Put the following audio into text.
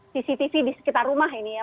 cctv di sekitar rumah ini ya